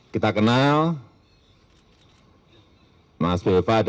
kita kenal mas belva syah devara